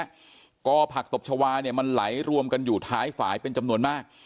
กอผักตบชาวาเนี่ยมันไหลรวมกันอยู่ท้ายฝ่ายเป็นจำนวนมาก